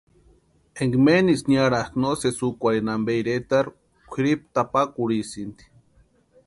Énka menisï niarakʼa no sési úkwarhini ampe iretarhu kwʼiripu tapakurhisïnti.